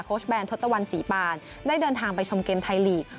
แบนทศตวรรณศรีปานได้เดินทางไปชมเกมไทยลีก